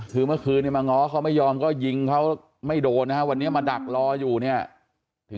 คือเมื่อคืนนี้มาง้อเขาไม่ยอมก็ยิงเขาไม่โดนนะครับ